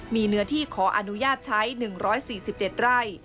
มีเนื้อที่ขออนุญาตใช้๑๔๗ไร่